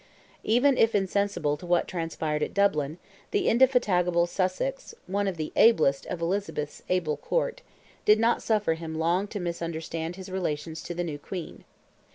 Even if insensible to what transpired at Dublin, the indefatigable Sussex—one of the ablest of Elizabeth's able Court—did not suffer him long to misunderstand his relations to the new Queen.